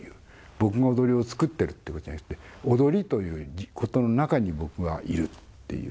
僕が踊りを作ってるってことじゃなくて踊りということの中に僕はいるっていう。